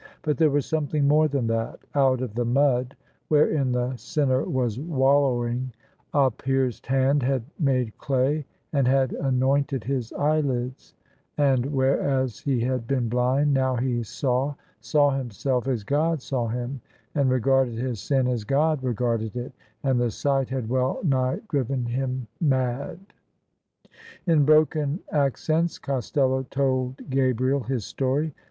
But there was something more than that. Out of the mud, wherein the sinner was wallowing, a pierced Hand had made clay and had anointed his eyelids; and whereas he had been blind, now he saw — saw himself as God saw him, and regarded his sin as Gk>d regarded it: and the sight had well nigh driven him mad. In broken accents Costello told Gabriel his story.